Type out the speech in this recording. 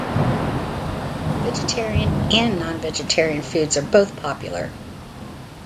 Vegetarian and non-vegetarian foods are both popular.